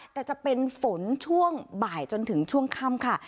แต่จะเป็นฝนช่วงบ่ายจนถึงช่วงค่ำค่ะ